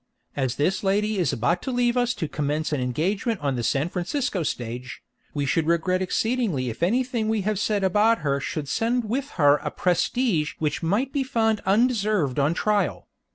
As this lady is about to leave us to commence an engagement on the San Francisco stage, we should regret exceedingly if anything we have said about her should send with her a prestige which might be found undeserved on trial.